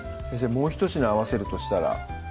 もうひと品合わせるとしたら？